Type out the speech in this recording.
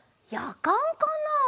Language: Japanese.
やかんかな？